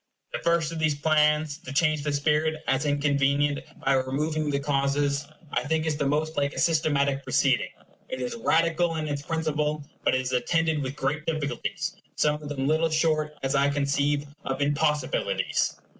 The first of these plans to change the spirit, as inconvenient, by removing the causes I think is the most like a systematic proceeding. It is radical in its principle; but it is attended with great difficulties, some of them little short, as I conceive, of impossibilities.